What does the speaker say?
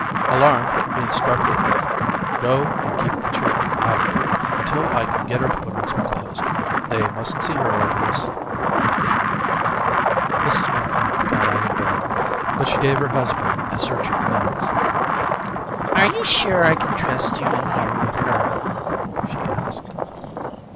Alarmed, he instructed: "Go and keep the children out of here until I can get her to put on some clothes. They mustn't see her like this." Mrs. Montcalm got out of bed, but she gave her husband a searching glance. "Are you sure I can trust you in here with her?" she asked.